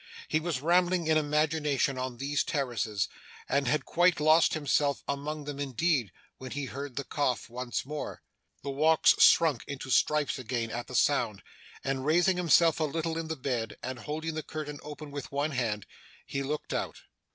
He was rambling in imagination on these terraces, and had quite lost himself among them indeed, when he heard the cough once more. The walks shrunk into stripes again at the sound, and raising himself a little in the bed, and holding the curtain open with one hand, he looked out.